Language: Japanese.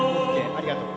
ありがとう。